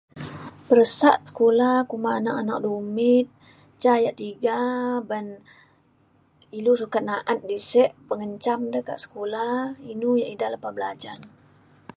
peresak kula kuma anak anak dumit ca yak tiga uban ilu sukat na’at di sek pengencam le kak sekula inu yak ida lepa belajen